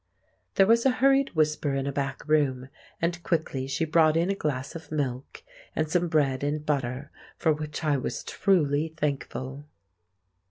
There was a hurried whisper in a back room, and quickly she brought in a glass of milk and some bread and butter—for which I was truly thankful.